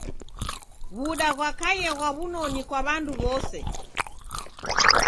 W'uda ghwakaia ghwa w'unoni kwa w'andu w'ose.